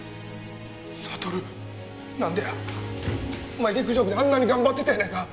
お前陸上部であんなに頑張ってたやないか！